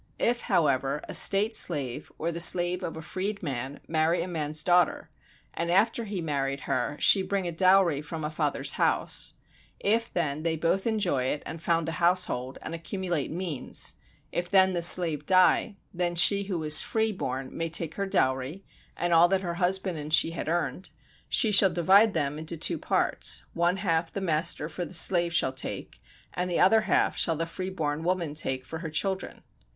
If, however, a state slave or the slave of a freed man marry a man's daughter, and after he married her she bring a dowry from a father's house, if then they both enjoy it and found a household, and accumulate means, if then the slave die, then she who was free born may take her dowry, and all that her husband and she had earned; she shall divide them into two parts, one half the master for the slave shall take, and the other half shall the free born woman take for her children.